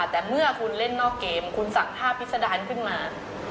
แต่เมื่อคุณเล่นนอกเกมคุณสั่งท่าพิษดารขึ้นมา